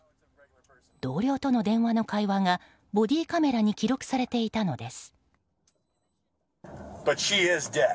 同僚との電話の会話がボディーカメラに記録されていたのです。